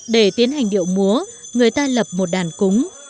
để tiến hành điệu múa người ta lập một đàn cúng